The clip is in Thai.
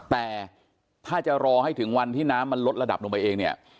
แต่ถ้าจะรอให้ถึงวันที่น้ำมันลดระดับลงไปเองเนี่ย